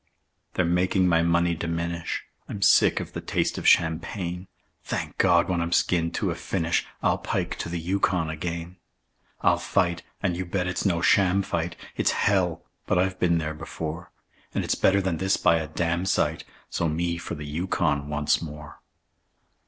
They're making my money diminish; I'm sick of the taste of champagne. Thank God! when I'm skinned to a finish I'll pike to the Yukon again. I'll fight and you bet it's no sham fight; It's hell! but I've been there before; And it's better than this by a damsite So me for the Yukon once more.